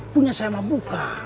punya saya mau buka